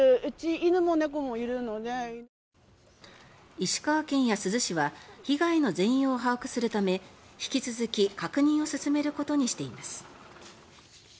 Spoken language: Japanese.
石川県や珠洲市は被害の全容を把握するため引き続き確認を進めることにしています。